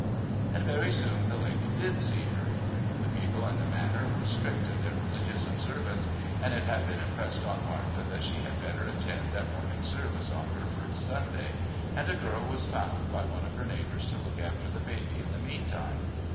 And very soon the lady did see her. The people at the manor were strict in their religious observances, and it had been impressed on Martha that she had better attend at morning service on her first Sunday, and a girl was found by one of her neighbours to look after the baby in the meantime.